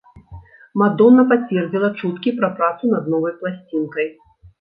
Мадонна пацвердзіла чуткі пра працу над новай пласцінкай.